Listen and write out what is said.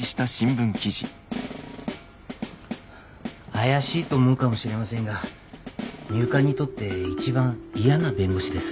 怪しいと思うかもしれませんが入管にとって一番嫌な弁護士です。